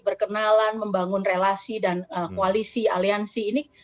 berkenalan membangun relasi dan koalisi aliansi ini